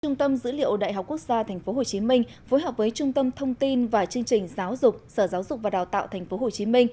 trung tâm dữ liệu đại học quốc gia tp hcm phối hợp với trung tâm thông tin và chương trình giáo dục sở giáo dục và đào tạo tp hcm